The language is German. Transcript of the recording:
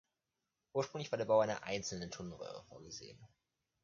Ursprünglich war der Bau einer einzelnen Tunnelröhre vorgesehen.